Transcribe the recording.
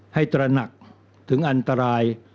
ตระหนักถึงอันตราย